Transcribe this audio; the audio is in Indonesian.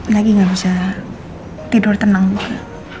lagi nggak bisa tidur tenang gitu